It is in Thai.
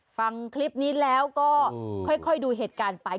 ฟังคลิปนี้แล้วก็ค่อยดูเหตุการณ์ไป